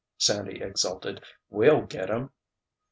Sandy exulted. "We'll get him!"